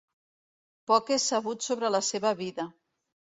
Poc és sabut sobre la seva vida.